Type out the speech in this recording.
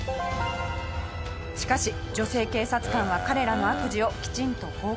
しかし女性警察官は彼らの悪事をきちんと報告したそうです。